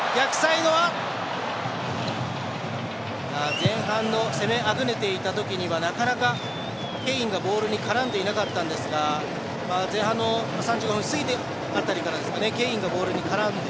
前半の攻めあぐねていたときにはなかなかケインがボールに絡んでいなかったんですが前半の３５分過ぎた辺りからケインがボールに絡んで。